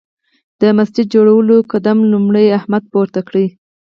د مسجد جوړولو قدم لومړی احمد پورته کړ.